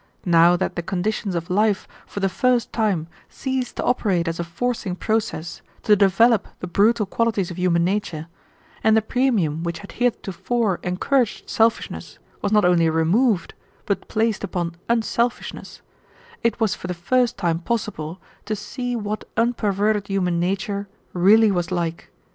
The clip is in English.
Now that the conditions of life for the first time ceased to operate as a forcing process to develop the brutal qualities of human nature, and the premium which had heretofore encouraged selfishness was not only removed, but placed upon unselfishness, it was for the first time possible to see what unperverted human nature really was like.